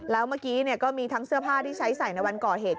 แล้วเมื่อกี้ก็มีทั้งเสื้อผ้าที่ใช้ใส่ในวันก่อเหตุ